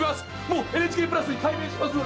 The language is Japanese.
もうＮＨＫプラスに改名します！